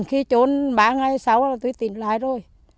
khi trốn ba ngày sau là tôi tìm lại rồi